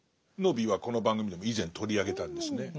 「野火」はこの番組でも以前取り上げたんですね。